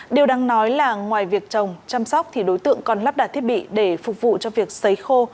điều đáng nói là ngoài việc trồng chăm sóc thì đối tượng còn lắp đặt thiết bị để phục vụ cho việc xấy khô